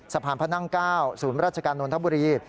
สะพานพระนั่ง๙ศูนย์ราชการนทบุรี